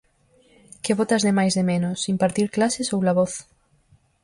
Que botas de máis de menos: impartir clases ou La Voz?